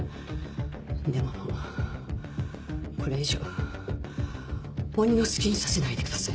でもこれ以上鬼の好きにさせないでください。